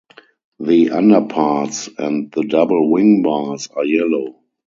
The underparts and the double wing bars are yellow.